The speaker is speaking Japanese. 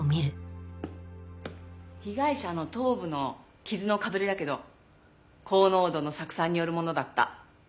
被害者の頭部の傷のかぶれだけど高濃度の酢酸によるものだった。